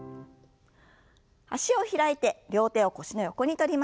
脚を開いて両手を腰の横に取りましょう。